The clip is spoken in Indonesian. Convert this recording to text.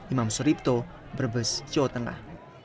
imam suripto brebes jawa tengah